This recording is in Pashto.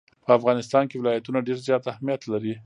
په افغانستان کې ولایتونه ډېر زیات اهمیت لري.